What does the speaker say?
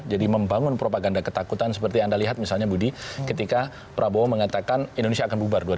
jadi membangun propaganda ketakutan seperti anda lihat misalnya budi ketika prabowo mengatakan indonesia akan bubar dua ribu tiga puluh